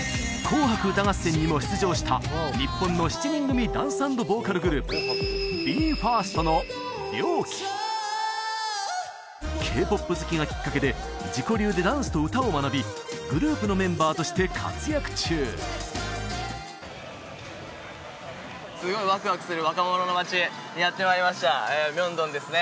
去年日本の７人組ダンス＆ボーカルグループＫ−ＰＯＰ好きがきっかけで自己流でダンスと歌を学びグループのメンバーとして活躍中すごいワクワクする若者の街へやって参りましたミョンドンですね